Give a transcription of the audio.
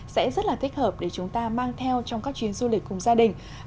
sẽ rất là thích hợp để chúng ta mang theo trong các chuyến du lịch cùng gia đình